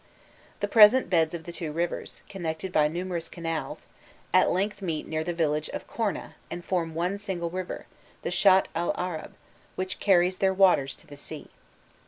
The present beds of the two rivers, connected by numerous canals, at length meet near the village of Kornah and form one single river, the Shatt el Arab, which carries their waters to the sea.